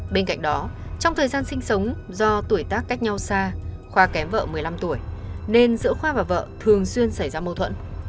bên cạnh đó trong thời gian sinh sống do tuổi tác cách nhau xa khoa kém vợ một mươi năm tuổi nên giữa khoa và vợ thường xuyên xảy ra mâu thuẫn